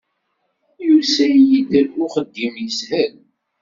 Yusa-iyi-d uxeddim yeshel.